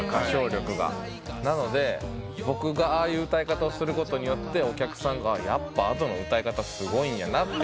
なので僕がああいう歌い方をすることによってお客さんが「やっぱＡｄｏの歌い方すごいんやな」と。